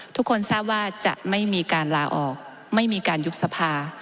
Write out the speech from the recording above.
ทุกคนทราบว่าจะไม่มีการลาออกไม่มีการยุบสภา